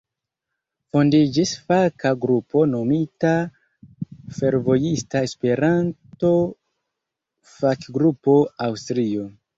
Fondiĝis faka grupo nomita "Fervojista Esperanto-Fakgrupo Aŭstrio".